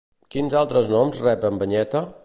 Quins altres noms rep en Banyeta?